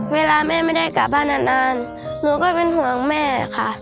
เวลาแม่ไม่ได้กลับบ้านนานหนูก็เป็นห่วงแม่ค่ะ